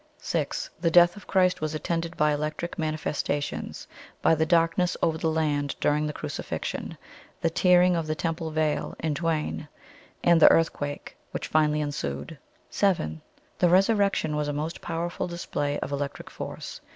"6. The Death of Christ was attended by electric manifestations by the darkness over the land during the Crucifixion; the tearing of the temple veil in twain; and the earthquake which finally ensued. "7. The Resurrection was a most powerful display of electric force.